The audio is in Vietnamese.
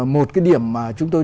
một cái điểm mà chúng tôi